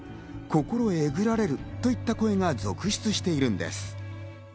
心がえぐられるといった声が続出しているのです。